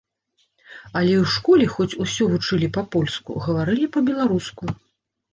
Але і ў школе, хоць усё вучылі па-польску, гаварылі па-беларуску.